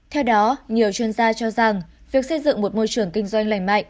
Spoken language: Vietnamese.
theo đó nhiều chuyên gia cho rằng việc xây dựng một môi trường kinh doanh lành mạnh